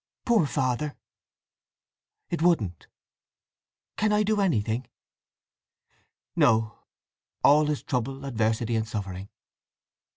Poor Father!" "It wouldn't!" "Can I do anything?" "No! All is trouble, adversity, and suffering!"